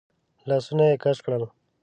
لاسونه يې کش کړل.